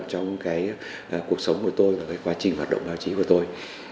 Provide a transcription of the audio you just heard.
trong cuộc sống của tôi và quá trình hoạt động báo chí của tôi